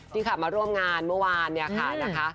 ที่ขับมาร่วมงานเมื่อวานนะคะ